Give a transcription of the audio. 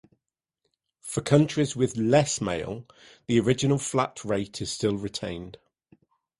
For countries with less mail, the original flat rate is still retained.